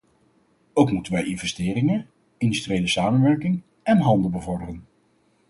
Ook moeten wij investeringen, industriële samenwerking en handel bevorderen.